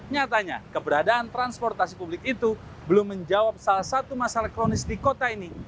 nyatanya keberadaan transportasi publik itu belum menjawab salah satu masalah kronis di kota ini